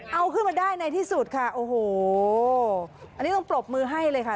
เอาขึ้นมาได้ในที่สุดค่ะโอ้โหอันนี้ต้องปรบมือให้เลยค่ะ